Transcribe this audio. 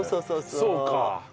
そうか。